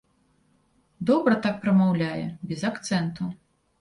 Добра так прамаўляе, без акцэнту.